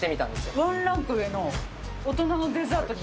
ワンランク上の大人のデザー